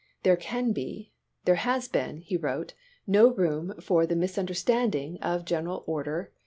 "There can be, there has been," he wrote, "no room for the misunderstanding of Greneral Order Chap.